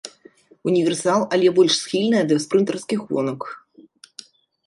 Універсал, але больш схільная да спрынтарскіх гонак.